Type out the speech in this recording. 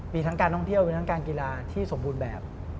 มีทั้งการท่องเที่ยวมีทั้งการกีฬาที่สมบูรณ์แบบ